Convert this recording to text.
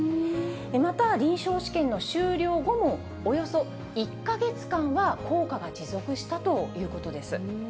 また、臨床試験の終了後もおよそ１か月間は効果が持続したということです。